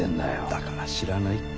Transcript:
だから知らないって。